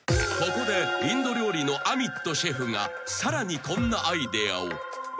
［ここでインド料理のアミットシェフがさらにこんなアイデアを］